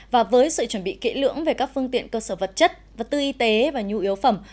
và với sự chuẩn bị kỹ lưỡng về các phương tiện cơ sở vật chất vật tư y tế và nhu yếu phẩm